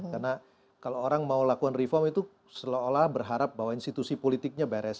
karena kalau orang mau lakukan reform itu seolah olah berharap bahwa institusi politiknya beres